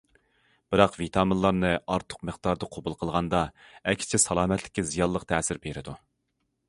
بىراق ۋىتامىنلارنى ئارتۇق مىقداردا قوبۇل قىلغاندا، ئەكسىچە سالامەتلىككە زىيانلىق تەسىر بېرىدۇ.